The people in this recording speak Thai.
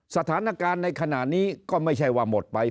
สถานการณ์ในขณะนี้ก็ไม่ใช่ว่าหมดไป